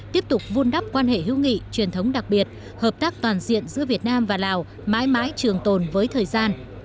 tiếp tục vun đắp quan hệ hữu nghị truyền thống đặc biệt hợp tác toàn diện giữa việt nam và lào mãi mãi trường tồn với thời gian